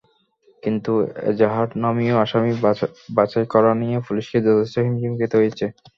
কিন্তু এজাহারনামীয় আসামি বাছাই করা নিয়ে পুলিশকে যথেষ্ট হিমশিম খেতে হয়েছে।